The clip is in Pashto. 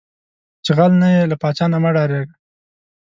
چې غل نۀ یې، لۀ پاچا نه مۀ ډارېږه